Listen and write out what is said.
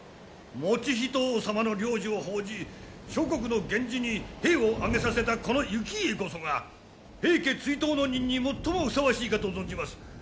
以仁王様の令旨を奉じ諸国の源氏に兵を挙げさせたこの行家こそが平家追討の任に最もふさわしいかと存じます！